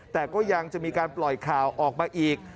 แต่ก็ยังจะมีการปล่อยข่าวออกมาอีก